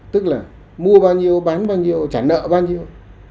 tức là mua bao nhiêu bán bao nhiêu trả nợ bao nhiêu